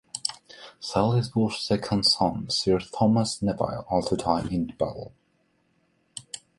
Salisbury's second son Sir Thomas Neville also died in the battle.